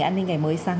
và bán hận yêu thương